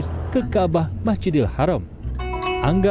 jangan lupa untuk menikmati video terbaru dari kami